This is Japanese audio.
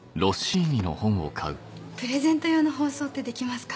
プレゼント用の包装ってできますか？